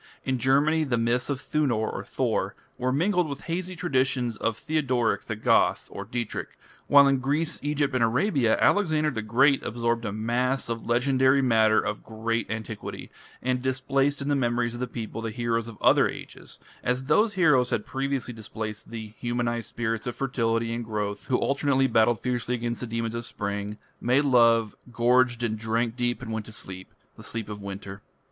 In Germany the myths of Thunor (Thor) were mingled with hazy traditions of Theodoric the Goth (Dietrich), while in Greece, Egypt, and Arabia, Alexander the Great absorbed a mass of legendary matter of great antiquity, and displaced in the memories of the people the heroes of other Ages, as those heroes had previously displaced the humanized spirits of fertility and growth who alternately battled fiercely against the demons of spring, made love, gorged and drank deep and went to sleep the sleep of winter.